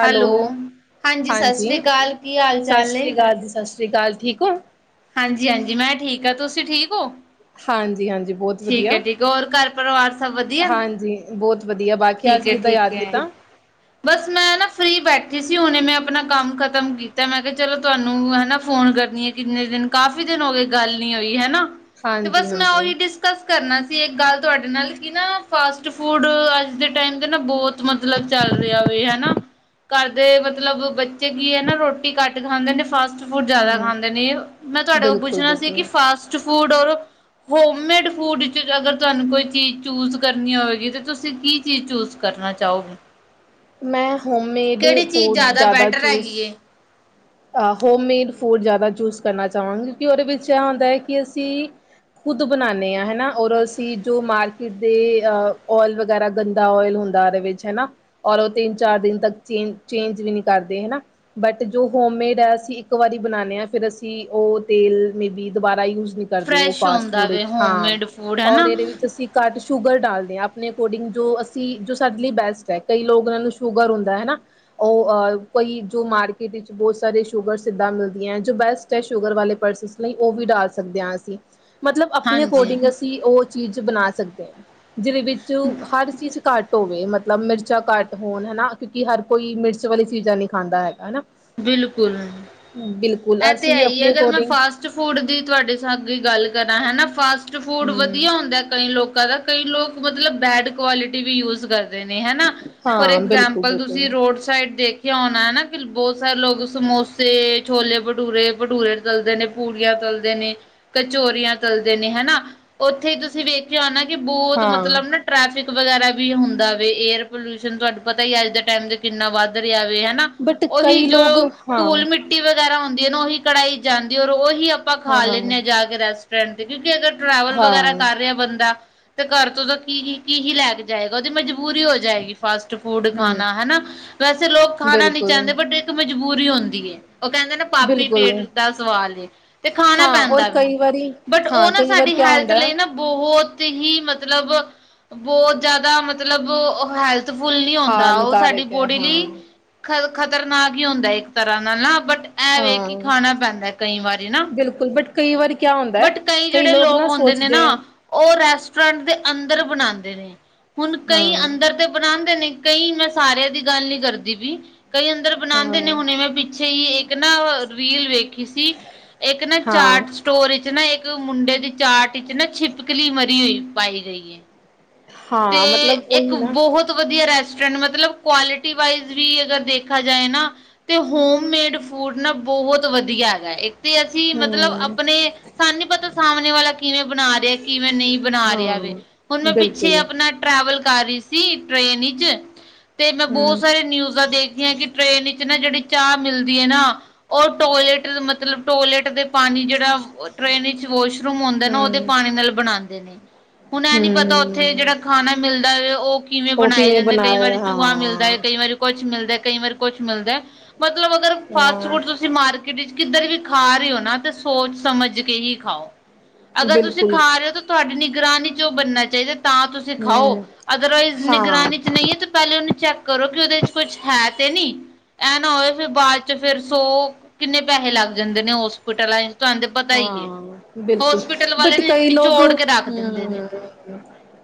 Hello ਸਤਿ ਹਾਂਜੀ ਸ੍ਰੀ ਅਕਾਲ ਕੀ ਹਾਲ ਸਸ ਚਾਲ ਏ? ਸ੍ਰੀ ਕਾਲ ਜੀ, ਸਸ ਸ੍ਰੀ ਕਾਲ ਠੀਕ ਹੋ? ਹਾਂਜੀ-ਹਾਂਜੀ ਮੈਂ ਠੀਕ ਹਾਂ ਤੁਸੀਂ ਠੀਕ ਹੋ? ਹਾਂਜੀ-ਹਾਂਜੀ ਠੀਕ ਹੈ-ਠੀਕ ਹੈ, ਹੋਰ ਘਰ ਪਰਿਵਾਰ ਸਭ ਵਧੀਆ? ਹਾਂਜੀ ਬਹੁਤ ਵਧੀਆ, ਬਾਕੀ ਠੀਕ ਅਜ ਕਿੱਦਾਂ ਹੈ-ਠੀਕ ਯਾਦ ਹੈ। ਕੀਤਾ? ਬਸ ਮੈਂ ਨਾ ਫ ਫਰੀ ਬੈਠੀ ਸੀ ਹੁਣੇ ਮੈਂ ਆਪਣਾ ਕੰਮ ਖ਼ਤਮ ਕੀਤਾ ਮੈਂ ਕਿਹਾ ਚਲੋ ਤੁਹਾਨੂੰ ਹਨਾ ਫੋਨ ਕਰਨੀ ਹੈ ਕਿੰਨੇ ਦਿਨ ਕਾਫੀ ਦਿਨ ਹੋ ਗੇ ਗੱਲ ਨੀ ਹੋਈ ਹਨਾ। ਤੇ ਹਾਂਜੀ ਬਸ ਮੈਂ ਹਾਂਜੀ ਓਹੀ ਡਿਸਕਸ ਕਰਨਾ ਸੀ ਇੱਕ ਗੱਲ ਤੁਹਾਡੇ ਨਾਲ ਕਿ ਨਾ ਫਸਟ ਫੂਡ ਆ ਜ ਦੇ ਟਾਈਮ ਤੇ ਨਾ ਬਹੁਤ ਮਤਲਬ ਚੱਲ ਰਿਹਾ ਹੋ ਹਨਾ, ਘਰ ਦੇ ਮਤਲਬ ਬ ਚੇ ਕੀ ਹੈ ਨਾ ਰੋਟੀ ਘੱਟ ਖਾਂਦੇ ਨੇ ਫਾਸਟ ਫੂਡ ਜਾਦਾ ਹੂੰ, ਖਾਂਦੇ ਨੇ। ਮੈਂ ਤੁਹਾਡੇ ਕੋ ਬਿਲਕੁਲ ਪੁੱਛਣਾ ਸੀ ਕਿ, ਬਿਲਕੁਲ ਫਾਸਟ-ਫੂਡ ਔਰ ਹੋਮ ਮੇਡ ਫੂਡ 'ਚ, ਅਗਰ ਤੁਹਾਨੂੰ ਕੋਈ ਚੀਜ਼ ਚੂਜ਼ ਕਰਨੀ ਹੋਵੇਗੀ ਤੇ ਤੁਸੀਂ ਕੀ? ਕੀ ਚੂਜ ਕਰਨਾ ਚਾਹੋਗੇ? ਮੈਂ ਹੋਮਮੇਡ ਕਿਹੜੀ ਚੀਜ਼ ਫੂਡ ਜ਼ਿਆਦਾ ਬੈਟਰ ਹੈਗੀ ਏ? ਅ ਹੋਮ ਮੇਡ ਫੂਡ ਜ਼ਿਆਦਾ ਚੂਜ਼ ਕਰਨਾ ਚਾਹਵਾਂਗੀ, ਕਿਉਂਕਿ ਉਹਦੇ ਵਿੱਚ ਐ ਹੁੰਦਾ ਐ ਕੀ ਅਸੀਂ ਖੁਦ ਬਨਾਂਨੇ ਆ ਹਨਾ, ਔਰ ਅਸੀਂ ਜੋ ਮਾਰਕੀਟ ਦੇ ਅ ਓਇਲ ਵਗੈਰਾ ਗੰਦਾ ਓਇਲ ਹੁੰਦਾ ਉਹਦੇ ਵਿੱਚ ਹਨਾ, ਔਰ ਉਹ ਤਿੰਨ-ਚਾਰ ਦਿਨ ਤੱਕ ਚੇਂਜ-ਚੇਂਜ ਵੀ ਨੀ ਕਰਦੇ ਹਨਾ। ਬਟ ਜੋ ਹੋਮ ਮੇਡ ਅਸੀਂ ਇੱਕ ਵਾਰੀ ਬਨਾਂਨੇ ਆ, ਫਿਰ ਅਸੀਂ ਉਹ ਤੇਲ ਮੇਬੀ ਦੁਬਾਰਾ ਯੂਜ਼ ਨੀ ਕਰਦੇ ਉਹ ਫਰੈਸ਼ ਹੁੰਦਾ ਫਾਸਟ-ਫੂਡ ਵੇ ਵਿੱਚ ਹਾਂ, ਹੋਮਮੇਡ ਫੂਡ ਔਰ ਹਨਾ ਇਹਦੇ ਵਿੱਚ ਅਸੀਂ ਘੱਟ ਸ਼ੂਗਰ ਡਾਲਦੇ ਆ, ਆਪਣੇ ਅਕੋਡਿੰਗ ਜੋ ਅਸੀਂ ਜੋ ਸਾਡੇ ਲਈ ਬੈਸਟ ਐ, ਕਈ ਲੋਕ ਉਹਨਾਂ ਨੂੰ ਸ਼ੂਗਰ ਹੁੰਦਾ ਹਨਾ। ਉਹ ਅ ਕੋਈ, ਜੋ ਮਾਰਕੀਟ 'ਚ ਬਹੁਤ ਸਾਰੇ ਸ਼ੂਗਰ ਸਿੱਧਾਂ ਮਿਲਦੀਆਂ, ਜੋ ਬੈਸਟ ਐ ਸ਼ੂਗਰ ਵਾਲੇ ਪਰਸਸ ਲ‌ਈ, ਉਹ ਵੀ ਡਾਲ ਸਕਦੇ ਆ ਅਸੀਂ। ਮਤਲਬ ਆਪਣੇ ਹਾਂਜੀ ਅਕੋਡਿੰਗ ਅਸੀਂ, ਉਹ ਚੀਜ਼ ਬਣਾ ਸਕਦੇ ਆ ਜਿਹਦੇ ਵਿੱਚ ਹਰ ਚੀਜ਼ ਘੱਟ ਹੋਵੇ, ਮਤਲਬ ਮਿਰਚਾਂ ਘੱਟ ਹੋਣ ਹਨਾ ਕਿਉਂਕਿ, ਹਰ ਕੋਈ ਮਿਰਚ ਵਾਲੀ ਚੀਜ਼ਾਂ ਨਹੀਂ ਖਾਂਦਾ ਹੈਗਾ, ਹਨਾ। ਬਿਲਕੁਲ, ਬਿਲਕੁਲ ਐਹ ਤੇ ਹੈ ਅਸੀਂ ਈ, ਆਪਣੇ ਅਗਰ ਮੈਂ ਅਕੋਰਡਿੰਗ ਫਾਸਟ ਸਟ ਫੂਡ ਦੀ ਤੁਹਾਡੇ ਸ ਅਗੇ ਗੱਲ ਕਰਾਂ ਹੈਨਾ, ਫਾਸਟ-ਫੂਡ ਹਮ ਵਧੀਆ ਹੁੰਦਾ ਕਈ ਲੋਕਾਂ ਦਾ ਕਈ ਲੋਕ ਮਤਲਬ ਬੈਡ ਕੁਆਲਿਟੀ ਵੀ ਯੂਜ ਕਰ ਦੇ ਨੇ ਹਨਾ। ਫੋਰ ਹਾਂ ਬਿਲਕੁਲ ਐਗਜਾਮਪਲ ਤੁਸੀਂ ਬਿਲਕੁਲ ਰੋਡ ਸਾਈਡ ਦੇਖਿਆ ਹੋਣਾ ਹਨਾ ਕੀ ਬਹੁਤ ਸਾਰੇ ਲੋਕ ਸਮੋਸੇ, ਛੋਲੇ-ਭਟੂਰੇ, ਭਟੂਰੇ ਤਲਦੇ ਨੇ, ਪੂੜੀਆਂ ਤਲਦੇ ਨੇ ਕਚੋਰੀਆਂ ਤਲਦੇ ਨੇ ਹੈਨਾ, ਉੱਥੇ ਈ ਤੁਸੀਂ ਵੇਖਿਆ ਹੋਣਾ ਕਿ ਬਹੁਤ ਹਾਂ ਮਤਲਬ ਨਾ ਟ੍ਰੈਫਿਕ ਵਗੈਰਾ ਵੀ ਹੁੰਦਾ ਵੇ, ਏਅਰ ਪਲੂਸ਼ਨ ਤੁਹਾਨੂੰ ਪਤਾ ਈ ਐ ਅੱਜ ਦੇ ਟਾਈਮ ਤੇ ਕਿੰਨਾ ਵੱਧ ਰਿਹਾ ਵੇ, ਹੈਨਾ। ਬਟ ਉਹੀ ਕਈ ਜੋ, ਲੋਕ ਹਾਂ ਤੂਲ ਮਿੱਟ ਟੀ ਵਗੈਰਾ ਹੁੰਦੀ ਏ ਨਾ, ਉਹੀ ਕੜਾਈ ਜਾਂਦੀ, ਔਰ ਉਹੀ ਆਪਾਂ ਖਾ ਹਾਂ ਲੈਂਨੇ ਜਾ ਕੇ ਰਸ ਤੇ ਕਿਉਂਕਿ ਅਗਰ ਟਰੈਵਲ ਹਾਂ ਵਗੈਰਾ ਕਰ ਰਿਹਾ ਬੰਦਾ ਤੇ ਘਰ ਤੋਂ ਤਾਂ ਕੀ-ਕੀ ਹੀ ਲੈ ਕੇ ਜਾਏਗਾ, ਉਹਦੀ ਮਜਬੂਰੀ ਹੋ ਜਾਏਗੀ ਫਾਸਟ-ਫੂਡ ਖ਼ਾਨਾ ਹਮ ਹਨਾ, ਵੈਸੇ ਲੋਕ ਖ਼ਾਨਾ ਨੀ ਬਿਲਕੁਲ ਤੇ ਇੱਕ ਮਜਬੂਰੀ ਹੁੰਦੀ ਏ, ਉਹ ਕਹਿੰਦੇ ਨੇ ਪਾਪੀ ਬਿਲਕੁਲ ਪੇਟ ਦਾ ਸਵਾਲ ਜੇ ਤੇ ਖਾਣਾ ਹਾਂ ਔਰ ਪੈਂਦਾ ਵੈ, ਕਈ ਵਾਰੀ ਬਟ ਹਾਂ ਉਹ ਨਾ ਕਈ ਵਾਰ ਸਾਡੀ ਕਿਆ ਹੈਲਥ ਹੁੰਦਾ ਲਈ ਨਾ ਬਹੁਤ ਹੀ ਮਤਲਬ, ਬਹੁਤ ਜਿਆਦਾ ਮਤਲਬ ਓ ਹੈ ਫੁੱਲ ਨੀ ਹਾਂ ਹੋਂਦਾ, ਉਹ ਸਾਡੀ ਨਿਕਾਰਕ ਹੈ ਬੋਡੀ ਲੀ ਹਾਂ ਖ ਖ਼ਤਰਨਾਕ ਈ ਹੁੰਦਾ ਇੱਕ ਤਰ੍ਹਾਂ ਨਾਲ ਨਾ, ਬਟ ਐਹ ਵੇ ਹਾਂ ਕਿ ਖਾਣਾ ਪੈਂਦਾ ਕਈ ਵਾਰੀ ਨਾ, ਬਿਲਕੁਲ ਬਟ ਕਈ ਵਾਰ ਕਿਆ ਹੁੰਦਾ ਹੈ ਬਟ ਕਈ ਜਿਹੜੇ ਲੋਕ ਨਾ ਹੁੰਦੇ ਨੇ ਨਾ ਸੋਚਦੇ ਹੈ ਉਹ ਰੈਸਟੋਰੈਂਟ ਦੇ ਅੰਦਰ ਬਣਾਂਦੇ ਨੇ, ਹੁਣ ਕਈ ਹਾਂ ਅੰਦਰ ਤੇ ਬਣਾਂਦੇ ਨਹੀਂ ਕਈ ਮੈਂ ਸਾਰਿਆਂ ਦੀ ਗੱਲ ਨੀ ਕਰਦੀ ਵੀ, ਕਈ ਅੰਦਰ ਬਣਾਂਦੇ ਨੇ, ਹਾਂ ਹੁਣੇ ਮੈਂ ਪਿੱਛੇ ਹੀ ਇੱਕ ਇੱਕ ਨਾ ਰੀਲ ਵੇਖੀ ਸੀ, ਇੱਕ ਨਾ ਹਾਂ ਚਾਟ 'ਚ ਸਟੋਰ 'ਚ ਨਾ, ਇੱਕ ਮੁੰਡੇ ਦੀ ਚਾਟ 'ਚ ਨਾ, ਛਿਪਕਲੀ ਮਰੀ ਹੋਈ ਪਾਈ ਗਈ ਏ। ਤੇ ਹਾਂ ਮਤਲਬ ਉਹੀ ਇੱਕ ਨਾ ਬਹੁਤ ਵਧੀਆ ਰੈਸਟੋਰੈਂਟ, ਮਤਲਬ ਕੁਆਲਿਟੀ ਵਾਈਜ਼ ਵੀ ਅਗਰ ਵੇਖਾ ਜਾਏ ਨਾ ਤੇ ਹੋਮ ਮੇਡ ਫੂਡ ਨਾ ਬਹੁਤ ਵਧੀਆ ਹੈਗਾ ਤੇ ਅਸੀਂ ਮਤਲਬ ਹਮ ਆਪਣੇ ਸਾਨੂੰ ਨੀ ਪਤਾ ਸਾਹਮਣੇ ਵਾਲਾ ਕਿਵੇਂ ਬਣਾ ਰਿਹਾ, ਕਿਵੇਂ ਨਹੀਂ ਬਣਾ ਹਾਂ ਰਿਹਾ ਵੇ, ਹੁਣ ਮੈਂ ਪਿੱਛੇ ਬਿਲਕੁਲ ਆਪਣਾ ਟ੍ਰੈਵਲ ਕਰ ਰਹੀ ਸੀ ਟ੍ਰੇਨ 'ਚ ਤੇ ਮੈਂ ਬਹੁਤ ਹਮ ਸਾਰੇ ਨਿਊਜਾਂ ਦੇਖ ਖੀਆ, ਕਿ ਟ੍ਰੇਨ ਵਿੱਚ ਨਾ ਜਿਹੜੀ ਚਾਹ ਮਿਲਦੀ ਏ ਨਾ, ਉਹ ਟੋਇਲੇਟ ਮਤਲਬ ਟੋਇਲੇਟ ਦੇ ਪਾਣੀ ਜਿਹੜਾ ਟ੍ਰੇਨ ਵਿੱਚ ਵਾਸ਼ਰੂਮ ਹੁੰਦਾ ਨਾ ਉਹਦੇ ਹਮ ਪਾਣੀ ਨਾਲ ਬਣਾਉਂਦੇ ਨੇ ਹੁਣ ਇਹ ਨੀ ਪਤਾ ਉੱਥੇ ਹਮ ਜਿਹੜਾ ਖਾਣਾ ਮਿਲਦਾ ਉਹ ਕਿਵੇਂ ਉਹ ਬਣਾਏ ਜਾਂਦੇ ਕਈ ਬਣਾਇਆ ਵਾਰੀ ਚੂਹਾ ਮਿਲਦਾ ਹੈ ਹਾਂ ਕਈ ਵਾਰੀ ਕੁਛ ਮਿਲਦਾ ਕਈ ਵਾਰ ਕੁਛ ਮਿਲਦਾ ਮਤਲਬ ਅਗਰ ਫਾਸਟ ਹਾਂ ਫੂਡ ਤੁਸੀਂ ਮਾਰਕੀਟ ਵਿੱਚ ਕਿੱਧਰ ਵੀ ਖਾ ਰਹੇ ਹੋ ਨਾ ਤੇ ਸੋਚ ਸਮਝ ਕੇ ਹੀ ਖਾਓ। ਅਗਰ ਤੁਸੀਂ ਬਿਲਕੁਲ ਖਾ ਰਹੇ ਹੋ ਤਾਂ ਤੁਹਾਡੀ ਨਿਗਰਾਨੀ ਚ ਉਹ ਬਣਨਾ ਚਾਹੀਦਾ ਤਾਂ ਤੁਸੀ ਤੇ ਖਾਓ ਹਮ ਅਦਰਵਾਇਜ਼ ਹਾਂ ਨਿਗਰਾਨੀ ' ਨਹੀਂ ਹੈ ਤੇ ਪਹਿਲੇ ਉਹਨੂੰ ਚੈੱਕ ਕਰੋ ਕਿ ਉਹਦੇ ' ਕੁਛ ਹੈ ਤੇ ਨੀ ਐ ਨਾ ਹੋਵੇ ਫਿਰ ਬਾਅਦ ਚ ਫੇਰ ਸੌ ਕਿੰਨੇ ਪੈਸੇ ਲੱਗ ਜਾਂਦੇ ਨੇ ਹੋਸਪਿਟਲਾਂ ਤੁਹਾਨੂੰ ਤੇ ਪਤਾ ਹੀ ਹੈ ਹਾਂ ਬਿਲਕੁਲ ਹੋਸਪਿਟਲ ਬਟ ਵਾਲੇ ਕਈ ਲੋਕ ਨਿਚੋੜ ਕੇ ਰੱਖ ਦਿੰਦੇ ਨੇ ਹਮ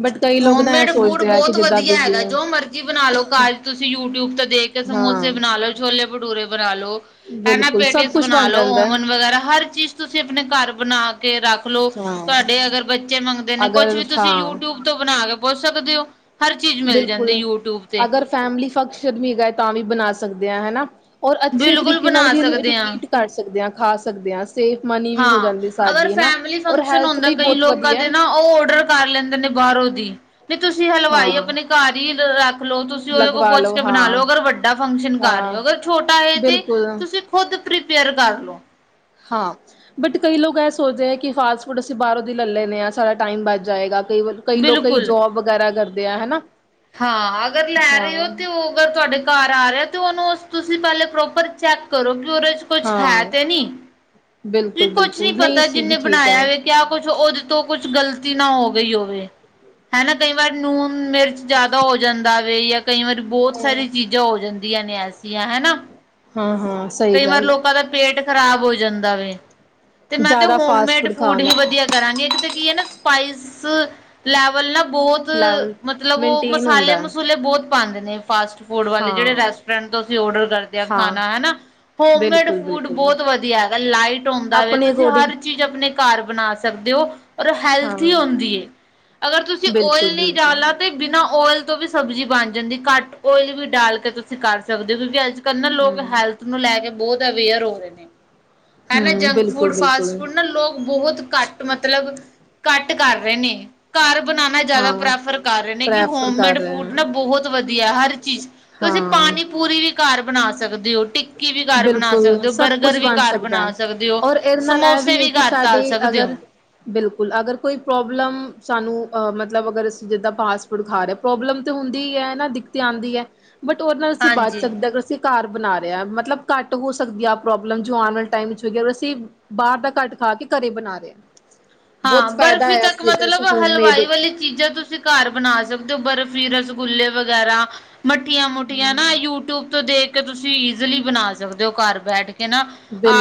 ਬਟ ਕਈ ਲੋਕ ਨਾ ਇਹ ਹੋਮਮੇਡ ਫੂਡ ਸੋਚਦੇ ਆ ਕਿ ਬਹੁਤ ਜਿੱਦਾਂ ਵਧੀਆ ਬਿਜ਼ੀ ਹੈਗਾ ਆ ਜੋ ਮਰਜ਼ੀ ਬਣਾ ਲਓ ਘਰ ਚ ਤੁਸੀਂ ਯੂਟਿਊਬ ਤੇ ਦੇਖ ਸਮੋਸੇ ਹਾਂ ਬਣਾ ਲਓ ਛੋਲੇ ਭਟੂਰੇ ਬਣਾ ਲਓ ਹੈਨਾ ਬਿਲਕੁਲ ਸਭ ਪੈਟੀਜ਼ ਕੁਛ ਬਣਾ ਬਣ ਲਓ ਜਾਂਦਾ ਓਵਨ ਵਗੈਰਾ ਹਰ ਚੀਜ਼ ਤੁਸੀਂ ਆਪਣੇ ਘਰ ਬਣਾ ਕੇ ਰੱਖ ਲਓ। ਹਾਂ ਤੁਹਾਡੇ ਅਗਰ ਬੱਚੇ ਮੰਗਦੇ ਨੇ ਕੁਛ ਅਗਰ ਵੀ ਤੁਸੀਂ ਹਾਂ ਯੂਟਿਊਬ ਤੋਂ ਬਣਾ ਕੇ ਪੁੱਛ ਸਕਦੇ ਹੋ ਹਰ ਚੀਜ਼ ਮਿਲ ਜਾਂਦੀ ਯੂਟਿਊਬ ਤੇ ਫੈਮਲੀ ਫੰਕਸ਼ਨ ਵੀ ਹੈਗਾ ਹੈ ਤਾਂ ਵੀ ਬਣਾ ਸਕਦੇ ਹ ਹਨਾ ਔਰ ਅੱਛੇ ਬਿਲਕੁਲ ਤਰੀਕੇ ਨਾਲ ਬਣਾ ਵੀ ਇਹਨੂੰ ਸਕਦੇ ਹਾਂ ਕਰ ਸਕਦੇ ਹਾਂ ਖਾ ਸਕਦੇ ਹਾਂ। ਤੇ ਮਨੀ ਵੀ ਹੋ ਹਾਂ ਜਾਂਦੀ ਅਗਰ ਸਾਡੀ ਹਨਾ ਫੈਮਲੀ ਔਰ ਫੰਕਸ਼ਨ ਹੈਲਥ ਹੁੰਦਾ ਲਈ ਕਈ ਬਹੁਤ ਲੋਕਾਂ ਵਧੀਆ ਦੇ ਨਾ ਉਹ ਔਡਰ ਕਰ ਲੈਂਦੇ ਨੇ ਬਾਹਰੋਂ ਦੀ ਵੀ ਤੁਸੀਂ ਹਲਵਾਈ ਆਪਣੇ ਹਾਂ ਘਰ ਹੀ ਰੱਖ ਲਓ ਤੁਸੀਂ ਉਹਦੇ ਕੋਲ ਲਗਵਾ ਪੁੱਛ ਕੇ ਬਣਾ ਹਾਂ ਲਓ ਅਗਰ ਵੱਡਾ ਫੰਕਸ਼ਨ ਕਰ ਅਗਰ ਛੋਟਾ ਹੈ ਤੇ ਬ ਤੁਸੀਂ ਖੁਦ ਪ੍ਰੀਪੇਅਰ ਕਰ ਲਓ। ਹਾਂ ਬਟ ਕਈ ਲੋਕ ਇਹ ਸੋਚਦੇ ਹੈ ਕਿ ਫਾਸਟ ਫੂਡ ਅਸੀਂ ਬਾਹਰੋਂ ਹੀ ਲੈ ਲੈਂਦੇ ਹਾਂ ਸਾਰਾ ਟਾਈਮ ਬਚ ਜਾਏਗਾ ਕਈ ਵਾਰ ਕਈ ਲੋਕ ਕਈ ਬਿਲਕੁਲ ਜੋਬ ਵਗੈਰਾ ਕਰਦੇ ਆ ਹਨਾ ਹਾਂ ਅਗਰ ਲੈ ਰਹੇ ਹੋ ਹਾਂ ਤੇ ਉਹ ਅਗਰ ਤੁਹਾਡੇ ਘਰ ਆ ਰਿਹਾ ਤੇ ਉਹਨੂੰ ਤੁਸੀਂ ਪਹਿਲੇ ਪ੍ਰੋਪਰ ਚੈੱਕ ਕਰੋ ਕਿ ਉਹਦੇ ਕੁਛ ਹੈ ਹਾਂ ਤੇ ਨੀ ਤੁ ਬਿਲਕੁਲ ਕੁਛ ਨੀ ਬਿਲਕੁਲ ਨਹੀਂ ਪਤਾ ਅਸੀਂ ਵੀ ਜਿੰਨੇ ਠੀਕ ਹੈ ਬਣਾਇਆ ਵੇ। ਕਿਆ ਕੁਛ ਉਹਦੇ ਤੋਂ ਕੁਛ ਗ਼ਲਤੀ ਨਾ ਹੋ ਗਈ ਹੋਵੇ ਹਨਾ ਕਈ ਵਾਰ ਨੂਣ ਮਿਰਚ ਜ਼ਿਆਦਾ ਹੋ ਜਾਂਦਾ ਵੇ ਜਾਂ ਕਈ ਵਾਰੀ ਬਹੁਤ ਸਾਰੀ ਚੀਜ਼ਾਂ ਹੋ ਜਾਂਦੀਆਂ ਨੇ ਐਸੀਆਂ ਹਨਾ। ਹਾਂ ਹਾਂ ਸਹੀ ਕਈ ਵਾਰ ਗੱਲ ਲੋਕਾਂ ਦਾ ਪੇਟ ਖ਼ਰਾਬ ਹੋ ਜਾਂਦਾ ਵੇ ਤੇ ਮੈਂ ਤੇ ਜ਼ਿਆਦਾ ਫਾਸਟ ਹੋਮਮੇਡ ਫੂਡ ਖਾਣ ਦਾ ਹੀ ਵਧੀਆ। ਕਰਾਂਗੇ ਇੱਕ ਤੇ ਕੀ ਹੈ ਨਾ ਸਪਾਈਸ ਲੈਵਲ ਨਾ ਬਹੁਤ ਲੈਵਲ ਮਤਲਬ ਉਹ ਮੇਨਟੇਨ ਮਸਾਲੇ ਹੁੰਦਾ ਹੈ ਮਸੂਲੇ ਬਹੁਤ ਪਾਉਂਦੇ ਨੇ ਫਾਸਟ ਫੂਡ ਗੁਡ ਵਾਲੇ ਜਿਹੜੇ ਹਾਂ ਰੈਸਟੋਰੈਂਟ ਤੋਂ ਅਸੀਂ ਔਡਰ ਕਰਦੇ ਹਾਂ ਅਸੀਂ ਖਾਣਾ ਹਨਾ। ਹੋਮਮੇਡ ਬਿਲਕੁਲ ਫੂਡ ਬਿਲਕੁਲ ਬਹੁਤ ਵਧੀਆ ਹੈਗਾ ਲਾਈਟ ਹੁੰਦਾ ਵੇ ਆਪਣੇ ਤੁਸੀਂ ਅਕੋਰਡਿੰਗ ਹਰ ਚੀਜ਼ ਆਪਣੇ ਘਰ ਬਣਾ ਸਕਦੇ ਹੋ। ਔਰ ਹਾਂ ਹੈਲਥੀ ਹੁੰਦੀ ਏ ਅਗਰ ਤੁਸੀਂ ਬਿਲਕੁਲ ਓਇਲ ਨਹੀਂ ਬਿਲਕੁਲ ਡਾਲਣਾ ਤੇ ਬਿਨਾਂ ਓਇਲ ਤੋਂ ਵੀ ਸਬਜ਼ੀ ਬਣ ਜਾਂਦੀ ਘੱਟ ਓਇਲ ਵੀ ਡਾਲ ਕੇ ਤੁਸੀਂ ਕਰ ਸਕਦੇ ਹੋ ਕਿਉਂਕਿ ਅੱਜ ਕੱਲ ਨਾ ਲੋਕ ਹਮ ਹੈਲਥ ਨੂੰ ਲੈ ਕੇ ਬਹੁਤ ਅਵੇਅਰ ਹੋ ਰਹੇ ਨੇ। ਹਨਾ ਹਮ ਜੰਕ ਫੂਡ ਬਿਲਕੁਲ ਫਾਸਟ ਬਿਲਕੁਲ ਫੂਡ ਨਾ ਲੋਕ ਬਹੁਤ ਘੱਟ ਮਤਲਬ ਘੱਟ ਕਰ ਰਹੇ ਨੇ। ਘਰ ਬਣਾਉਣਾ ਜ਼ਿਆਦਾ ਹਾਂ ਪ੍ਰੈਫਰ ਕਰ ਰਹੇ ਨੇ ਕਿ ਪ੍ਰੈਫਰ ਕਰ ਹੋਮਮੇਡ ਰਹੇ ਫੂਡ ਹਾਂ ਨਾ ਬਹੁਤ ਵਧੀਆ ਹਰ ਚੀਜ਼ ਤੁਸੀਂ ਹਾਂ ਪਾਣੀ ਪੂਰੀ ਵੀ ਘਰ ਬਣਾ ਸਕਦੇ ਹੋ ਟਿ ਟਿੱਕੀ ਵੀ ਘਰ ਬਣਾ ਬਿਲਕੁਲ ਸਕਦੇ ਹੋ ਸਭ ਬਰਗਰ ਕੁਛ ਵੀ ਬਣ ਘਰ ਸਕਦਾ ਬਣਾ ਹੈ ਸਕਦੇ ਹੋ ਔਰ ਇਹਦੇ ਨਾਲ ਇਹ ਸਮੋਸੇ ਹੈ ਵੀ ਕਿ ਘਰ ਸਾਡੇ ਤਾਲ ਸਕਦੇ ਅਗਰ ਹੋ। ਬਿਲਕੁਲ, ਅਗਰ ਕੋਈ ਪ੍ਰੋਬਲਮ ਸਾਨੂੰ ਮਤਲਬ ਅਗਰ ਅਸੀ ਜਿੱਦਾਂ ਫਾਸਪੂਡ ਖਾ ਰਹੇ ਪ੍ਰੋਬਲਮ ਤਾਂ ਹੁੰਦੀ ਹੀ ਹੈ ਨਾ ਦਿੱਕਤੀ ਆਉਂਦੀ ਹੈ ਬਟ ਉਹਦੇ ਨਾਲ ਅਸੀਂ ਬਚ ਹਾਂਜੀ ਸਕਦਾ ਅਗਰ ਅਸੀਂ ਘਰ ਬਣਾ ਰਹੇ। ਰਿ ਮਤਲਬ ਘੱਟ ਹੋ ਸਕਦੀ ਆ ਪ੍ਰੋਬਲਮ ਜੋ ਆਉਣ ਵਾਲੇ ਟਾਈਮ ਵਿੱਚ ਹੋਗੀ ਅਸੀਂ ਬਾਹਰ ਦਾ ਘੱਟ ਖਾ ਕੇ ਘਰੇ ਬਣਾ ਰਹੇ। ਬਹੁਤ ਹਾਂ, ਫਾਇਦਾ ਬਰਫ਼ੀ ਹੈ ਤੱਕ ਮਤਲਬ ਅਸੀਂ ਹੋਮਮੇਡ ਹਲਵਾਈ ਵਾਲੀ ਚੀਜ਼ਾਂ ਤੁਸੀਂ ਘਰ ਬਣਾ ਸਕਦੇ ਹੋ ਬਰਫ਼ੀ, ਰਸਗੁੱਲੇ ਵਗੈਰਾ। ਮੱਠੀਆਂ- ਮੁੱਠੀਆਂ ਨਾ ਯੂਟਿਊਬ ਤੋਂ ਦੇਖ ਕੇ ਤੁਸੀਂ ਈਜ਼ਲੀ ਬਣਾ ਸਕਦੇ ਹੋ ਘਰ ਬੈਠ ਕੇ। ਹੈਨਾ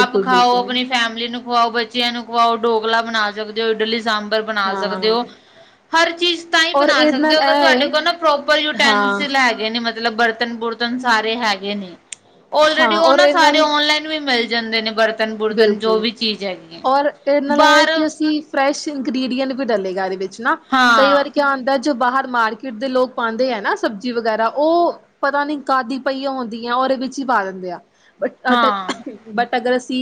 ਆਪ ਖਾਓ ਬਿਲਕੁਲ ਆਪਣੀ ਫੈਮਲੀ ਨੂੰ ਖਵਾਓ, ਬੱਚਿਆਂ ਨੂੰ ਖਵਾਓ ਡੋਕਲਾ ਬਣਾ ਸਕਦੇ ਹੋ ਇਡਲੀ ਸਬਰ ਬਣਾ ਹਾਂ ਸਕਦੇ ਹੋ। ਹਰ ਚੀਜ਼ ਤਾਂ ਹੀ ਔਰ ਬਣਾ ਇਹਦੇ ਸਕਦੇ ਨਾਲ ਹੋ ਅਗਰ ਇਹ ਹੈ ਤੁਹਾਡੇ ਕੋਲ ਨਾ ਪ੍ਰੋਪਰ ਹਾਂ ਯੂਟੈਂਸਿਲ ਹੈਗੇ ਨੇ ਮਤਲਬ ਮਤਲਬ ਬਰਤਨ-ਬੁਰਤਨ ਸਾਰੇ ਹੈਗੇ ਨੇ ਲਰੇਡੀ ਹਾਂ ਉਹ ਔਰ ਨਾ ਇਹਦੇ ਸਾਰੇ ਨਾਲ ਔਨਲਾਈਨ ਵੀ ਮਿਲ ਜਾਂਦੇ ਨੇ ਬਰਤ ਬਿਲਕੁਲ, ਔਰ ਇਹਨਾਂਆ ਕਿ ਬਾਹਰ ਅਸੀਂ ਫਰੈਸ਼ ਇੰਗਰੀਡੀਐਟ ਵੀ ਡਲੇਗਾ ਇਹਦੇ ਵਿੱਚ ਨਾ ਕਈ ਹਾਂ, ਵਾਰੀ ਕਿਆ ਉਂਦਾ ਜੋ ਬਾਹਰ ਮਾਰਕੀਟ ਦੇ ਲੋਕ ਪਾਉਂਦੇ ਹੈ ਨਾ ਸਬਜ਼ੀ ਵਗੈਰਾ ਉਹ ਪਤਾ ਨੀ ਕਾਦੀ ਪਹੀ ਹੁੰਦੀ ਆ ਉਹਦੇ ਵਿੱਚ ਹੀ ਪਾ ਦਿੰਦੇ ਆ। ਹਾਂ। ਬਟ-ਬਟ ਅਗਰ ਅਸੀ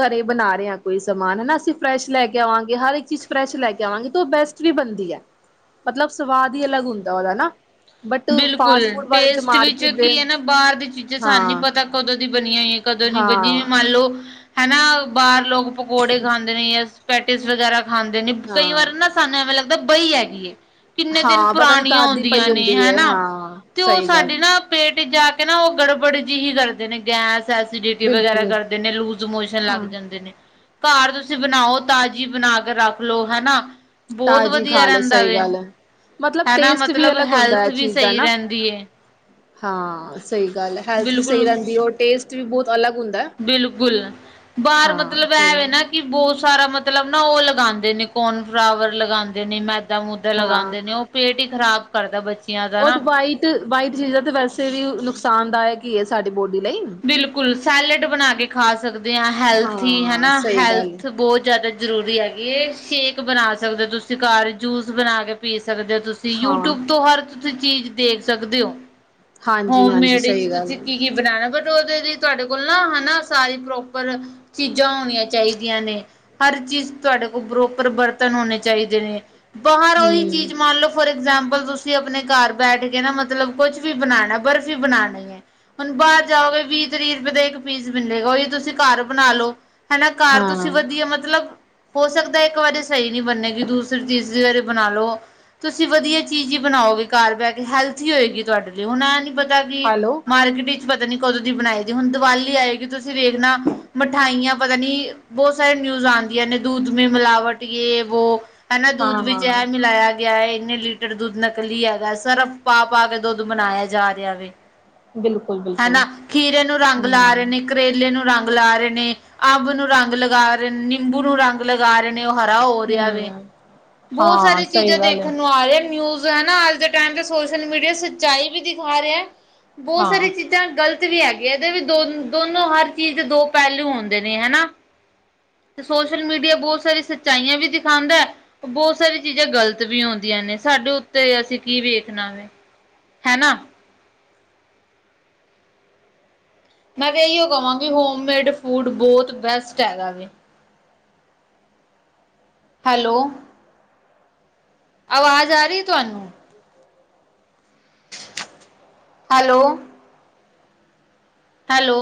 ਘਰੇ ਬਣਾ ਰਹੇ ਹਾਂ ਕੋਈ ਸਮਾਨ ਹੈਨਾ ਅਸੀਂ ਫਰੈਸ਼ ਲੈ ਕੇ ਆਵਾਂਗੇ ਹਰ ਇੱਕ ਚੀਜ਼ ਫਰੈਸ਼ ਲੈ ਕੇ ਆਵਾਂਗੇ ਤਾਂ ਉਹ ਬੈਸਟ ਵੀ ਬਣਦੀ ਹੈ ਮਤਲਬ ਸਵਾਦ ਹੀ ਅਲੱਗ ਹੁੰਦਾ ਉਹਦਾ ਨਾ। ਬਟ ਬਿਲਕੁਲ, ਫਾਸਟ ਫੂਡ ਵਾਲੇ ਜੋ ਟੇਸਟ ਵਿੱਚ ਮਾਰਕੀਟ ਦੇ ਕੀ ਹੈ ਨਾ ਬਾਹਰ ਦੀ ਚੀਜ਼ਾਂ ਸਾਨੂੰ ਨੀ ਹਾਂ ਪਤਾ ਕਦੋਂ ਦੀ ਬਣੀ ਹੋਈ ਕਦੋਂ ਨੀ ਬੱਣੀ, ਜਿਵੇੰ ਹਾਂ ਮੰਨ ਲਓ ਹੈਨਾ ਬਾਹਰ ਲੋਕ ਪਕੌੜੇ ਖਾਂਦੇ ਨੇ ਜਾਂ ਸਪੈਟਿਸ ਵਗੈਰਾ ਖਾਂਦੇ ਨੇ ਕਈ ਹਾਂ ਵਾਰ ਨਾ ਸਾਨੂੰ ਐਵੇਂ ਲੱਗਦਾ ਬਹੀ ਹੈਗੀ ਏ ਕਿੰਨੇ ਦਿਨ ਹਾਂ ਪਤਾ ਨੀ ਪੁਰਾਣੀਆਂ ਕਦ ਦੀ ਪਈ ਹੁਦੀਆਂ ਨੇ ਹੁੰਦੀ ਹੈਨ ਹੈ ਨਾ ਹਾਂ ਤੇ ਉਹ ਸਹੀ ਗੱਲ ਸਾਡੀ ਹੈ ਨਾ ਪੇਟ ਜਾ ਕੇ ਨਾ ਉਹ ਗੜਬੜ ਜਿਹੀ ਕਰਦੇ ਨੇ ਗੈਸ ਐਸੀਲਿਟੀ ਵਗੈਰਾ ਬਿਲਕੁਲ ਕਰਦੇ ਨੇ ਲੂਜ ਮੋਸ਼ਨ ਲੱਗ ਹਾਂ ਜਾਂਦੇ ਨੇ। ਘਰ ਤੁਸੀਂ ਬਣਾਓ ਤਾਜ਼ੀ ਬਣਾ ਕੇ ਰੱਖ ਲਓ ਹੈਨਾ। ਤਾਜ਼ੀ ਖਾ ਲੋਓ ਸਹੀ ਗੱਲ ਹੈ, ਮਤਲਬ ਹੈਨਾ ਟੇਸਟ ਵੀ ਮਤਲਬ ਅਲੱਗ ਹੈਲਥ ਹੁੰਦਾ। ਵੀ ਚੀਜ਼ ਦਾ ਸਹੀ ਨਾ ਰਹਿੰਦੀ ਏ ਹਾਂ, ਸਹੀ ਗੱਲ ਹੈਲਥ ਵੀ ਸਹੀ ਬਿਲਕੁਲ ਰਹਿੰਦੀ ਉਹ ਟੇਸਟ ਵੀ ਬਹੁਤ ਅਲੱਗ ਹੁੰਦਾ। ਬਿਲਕੁਲ, ਬਾਹਰ ਹਾਂ ਮਤਲਬ ਸਹੀ ਐਵੇ ਆ, ਨਾ ਕਿ ਬਹੁਤ ਸਾਰਾ ਮਤਲਬ ਨਾ ਉਹ ਲਗਾਉਂਦੇ ਨੇ ਕੋਰਨ ਫਲਾਵਰ ਲਗਾਉਂਦੇ ਨੇ ਮੈ ਦਾ ਮੁੱਦਾ ਹਾਂ ਲਗਾਉਂਦੇ ਨੇ ਉਹ ਪੇਟ ਹੀ ਖ਼ਰਾਬ ਕਰਦਾ ਬੱਚਿਆਂ ਦਾ ਨਾ। ਤੇ ਵਾਈਟ ਚੀਜ਼ਾਂ ਤੇ ਵੈਸੇ ਵੀ ਨੁਕਸਾਨਦਾਇਕ ਹੀ ਹੈ ਸਾਡੀ ਬੋਡੀ ਲਈ। ਬਿਲਕੁਲ, ਸੈਲਡ ਬਣਾ ਕੇ ਖਾ ਸਕਦੇ ਹਾਂ ਹੈਲਥੀ ਹੈਨਾ ਹਾਂ ਸਹੀ ਗੱਲ ਹੈ, ਹੈਲਥ ਬਹੁਤ ਜ਼ਿਆਦਾ ਜ਼ਰੂਰੀ ਹੈਗੀ ਇਹ, ਸ਼ੇਕ ਬਣਾ ਸਕਦੇ ਹੋ ਤੁਸੀਂ ਘਰ ਜੂਸ ਬਣਾ ਕੇ ਪੀ ਸਕਦੇ ਹੋ ਤੁਸੀਂ ਹਾਂ ਯੂਟਿਊਬ ਤੋਂ ਹਰ ਤੁਸੀਂ ਚੀਜ਼ ਦੇਖ ਸਕਦੇ ਹੋ। ਹਾਂਜੀ ਹੋਮ ਹਾਂਜੀ ਮੇਡ ਵਿੱਚ ਸਹੀ ਗੱਲ ਤੁਸੀਂ ਹੈ ਕੀ-ਕੀ ਬਣਾਣਾ ਬਟ ਉਹਦੇ ਲਈ ਤੁਹਾਡੇ ਕੋਲ ਨਾ ਹੈਨਾ ਸਾਰੀ ਪ੍ਰੋਪਰ ਚੀਜ਼ਾਂ ਹੋਣੀਆਂ ਚਾਹੀਦੀਆਂ ਨੇ। ਹਰ ਚੀਜ਼ ਤੁਹਾਡੇ ਕੋਲ ਪ੍ਰੋਪਰ ਬਰਤਨ ਹੋਣੇ ਚਾਹੀਦੇ ਨੇ ਬਾਹਰ ਉਹੀ ਹਮ ਚੀਜ਼ ਮੰਨ ਲਓ ਫੋਰ ਇਗਜਾਮਪਲ ਤੁਸੀਂ ਆਪਣੇ ਘਰ ਬੈਠ ਕੇ ਨਾ ਮਤਲਬ ਕੁਛ ਵੀ ਬਣਾਉਣਾ ਬਰਫ਼ੀ ਬਣਾਉਣੀ ਹੈ। ਹੁਣ ਬਾਹਰ ਜਾਓਗੇ ਵੀਹ- ਤਰੀ ਰੁਪਏ ਦਾ ਇੱਕ ਪੀਸ ਮਿਲੇਗਾ ਉਹੀ ਤੁਸੀਂ ਘਰ ਬਣਾ ਲਓ। ਹੈਨਾ ਘਾਰ ਤੁਸੀਂ ਹਾਂ ਵਧੀਆ ਮਤਲਬ ਹੋ ਸਕਦਾ ਇੱਕ ਵਾਰੀ ਸਹੀ ਨਹੀਂ ਬੰਨੇਗੀ ਦੂਸਰੀ ਤੀਸਰੀ ਵਾਰੀ ਬਣਾ ਲਓ ਤੁਸੀਂ ਵਧੀਆ ਚੀਜ਼ ਹੀ ਬਣਾਓਗੇ ਘਰ ਬਹਿ ਕੇ ਹੈਲਥੀ ਹੋਏਗੀ ਤੁਹਾਡੇ ਲਈ ਹੁਣ ਐਂ ਨੀ ਪਤਾ ਕੀ ਹੈਲੋ ਮਾਰਕੀਟ ਵਿੱਚ ਪਤਾ ਨੀ ਕਦੋਂ ਦੀ ਬਣਾਈ ਦੀ ਹੁਣ ਦੀਵਾਲੀ ਆਏਗੀ ਤੁਸੀਂ ਵੇਖਣਾ ਮਿਠਾਈਆਂ ਪਤਾ ਨੀ ਬਹੁਤ ਸਾਰੇ ਨਿਊਜ਼ ਆਉਂਦੀਆਂ ਨੇ ਦੂੱਧ ਮੇ ਮਿਲਾਵਟ ਯੇ ਵੋ ਹੈਨਾ ਹਾਂ ਦੁਧ ਵੀ ਹਾਂ ਇਹ ਮਿਲਾਇਆ। ਗਿਆ ਹੈ ਇੰਨੇ ਲੀਟਰ ਦੁੱਧ ਨਕਲੀ ਹੈਗਾ ਸਰਫ ਪਾ- ਪਾ ਕੇ ਦੁੱਧ ਬਨਾਇਆ ਜਾ ਰਿਹਾ ਵੇ। ਬਿਲਕੁਲ। ਬਿਲਕੁਲ ਹੈਨਾ ਖੀਰੇ ਨੂੰ ਰੰਗ ਲਾ ਰਹੇ ਹੂੰ, ਨੇ। ਕਰੇਲੇ ਨੂੰ ਰੰਗ ਲਾ ਰਹੇ, ਨੇ ਅੰਬ ਨੂੰ ਰੰਗ ਲਗਾ ਰਹੇ ਨੇ, ਨਿੰਬੂ ਨੂੰ ਰੰਗ ਲਗਾ ਰਹੇ ਨੇ ਉਹ ਹਰਾ ਹੋ ਰਿਹਾ ਵੇ। ਹੂੰ, ਬਹੁਤ ਸਾਰੀ ਹਾਂ ਚੀਜ਼ਾਂ ਸਹੀ ਗੱਲ ਹੈ, ਦੇਖਣ ਨੂੰ ਆ ਰਹੀ ਨਿਊਜ਼ ਹੈਨਾ ਟਾਇਮ ਤੇ ਸੋਸ਼ਲ ਮੀਡੀਆ ਸੱਚਾਈ ਵੀ ਦਿਖਾ ਰਿਹਾ ਬਹੁਤ ਸਾਰੀ ਹਾਂ। ਚੀਜ਼ਾਂ ਜਾਂ ਗ਼ਲਤ ਵੀ ਹੈਗੀ ਇਹਦੇ ਵੀ ਦੋ-ਦੋਨੋ ਹਰ ਚੀਜ਼ ਦੇ ਦੋ ਪਹਿਲੂ ਹੁੰਦੇ ਨੇ ਹੈਨਾ। ਤੇ ਸੋਸ਼ਲ ਮੀਡੀਆ ਬਹੁਤ ਸਾਰੀ ਸੱਚਾਈਆਂ ਵੀ ਦਿਖਾਦਾ। ਬਹੁਤ ਸਾਰੀ ਚੀਜ਼ਾਂ ਗ਼ਲਤ ਵੀ ਆਉਂਦੀਆਂ ਨੇ ਸਾਡੇ ਉੱਤੇ ਅਸੀਂ ਕੀ ਵੇਖਣਾ ਵੇ। ਹੈਨਾ। ਮੈਂ ਤਾ ਇਹੀਓ ਕਹਾਂਗੀ ਹੋਮਮੇਡ ਫੂਡ ਬਹੁਤ ਬੈਸਟ ਹੈਗਾ ਵੇ। ਹੈਲੋ। ਆਵਾਜ਼ ਆ ਰਹੀ ਤੁਹਾਨੂੰ। ਹੈਲੋ। ਹੈਲੋ।